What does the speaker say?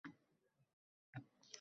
...Shirakayf Otabek o‘rnidan turdi